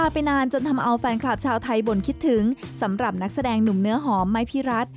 ไปนานจนทำเอาแฟนคลับชาวไทยบ่นคิดถึงสำหรับนักแสดงหนุ่มเนื้อหอมไม้พี่รัฐ